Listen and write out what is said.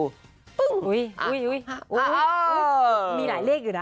อุ้ยมีหลายเลขอีกนะ